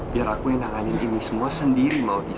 biar aku yang nanganin ini semua sendiri maudie